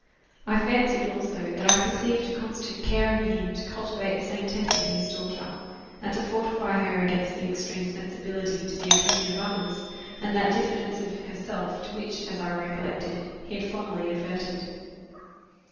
I fancied, also, that I perceived a constant care in him to cultivate the same temper in his daughter, and to fortify her against that extreme sensibility to the opinion of others, and that diffidence of herself, to which, as I recollected, he had formerly adverted.